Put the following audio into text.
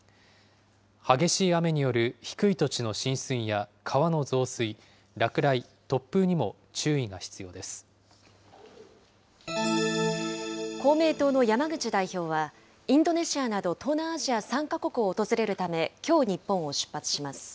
激しい雨による低い土地の浸水や川の増水、落雷、公明党の山口代表は、インドネシアなど東南アジア３か国を訪れるため、きょう日本を出発します。